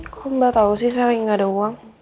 kok mbak tau sih saya lagi enggak ada uang